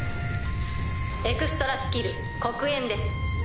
エクストラスキル「黒炎」です。